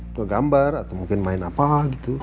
ngegambar atau mungkin main apa gitu